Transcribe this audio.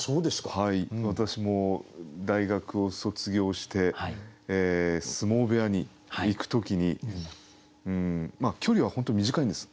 私も大学を卒業して相撲部屋に行く時に距離は本当に短いんです。